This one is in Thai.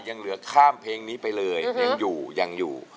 ยังเหลือข้ามเพลงนี้ไปเลยยังอยู่ยังอยู่